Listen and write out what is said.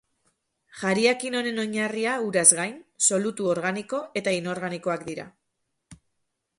Jariakin honen oinarria uraz gain, solutu organiko eta inorganikoak dira.